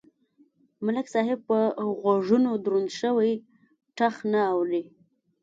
ملک صاحب په غوږونو دروند شوی ټخ نه اوري.